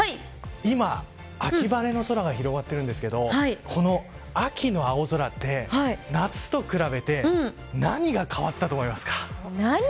今、秋晴れの空が広がっているんですけどこの秋の青空って夏と比べて何が変わったか。